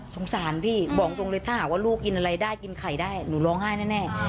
สารพี่บอกตรงเลยถ้าหากว่าลูกกินอะไรได้กินไข่ได้หนูร้องไห้แน่